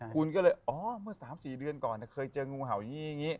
คุณก็เลยอ๋อเมื่อ๓๔เดือนก่อนเคยเจองูเห่าอย่างนี้อย่างนี้